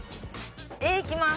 Ａいきます。